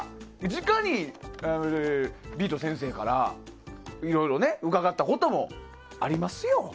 直にビート先生からいろいろ伺ったこともありますよ。